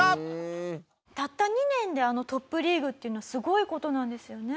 たった２年であのトップリーグっていうのはすごい事なんですよね？